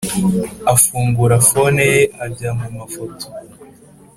afungura fone ye ajya muma foto